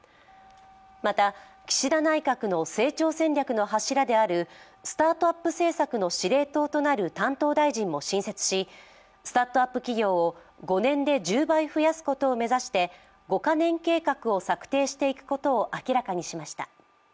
また岸田内閣の成長戦略の柱であるスタートアップ政策の指令塔となる担当大臣も新設しスタートアップ企業を５年で１０倍増やすことを目指して５か年計画を策定していくことを明らかにしました。